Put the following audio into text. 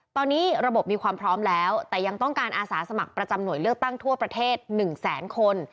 ตอนนี้ระบบมีความพร้อมแล้วแต่ยังต้องการอาสาสมัครประจำหน่วยเลือกตั้งทั่วประเทศ๑แสนคน